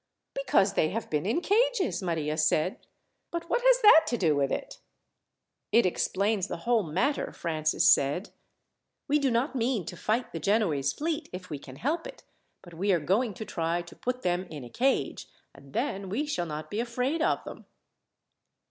"Because they have been in cages," Maria said. "But what has that to do with it?" "It explains the whole matter," Francis said. "We do not mean to fight the Genoese fleet, if we can help it; but we are going to try to put them in a cage, and then we shall not be afraid of them."